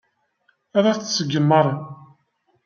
Ad t-tṣeggem Mary.